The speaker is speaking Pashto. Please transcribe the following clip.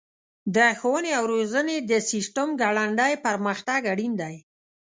د ښوونې او روزنې د سیسټم ګړندی پرمختګ اړین دی.